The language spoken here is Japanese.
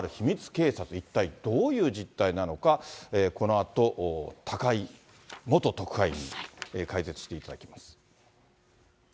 警察、一体どういう実態なのか、このあと、高井元特派員に解説していただきます。